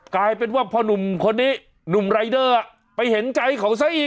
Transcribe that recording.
กลายเป็นว่าพอหนุ่มคนนี้หนุ่มรายเดอร์ไปเห็นใจเขาซะอีก